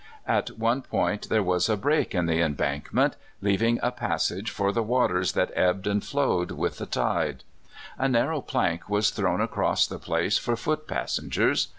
At one point there was a break in the embankment, leaving a passage lor the waters that ebbed and flowed with the tide. A narrow plank was thrown across the place for foot passengers.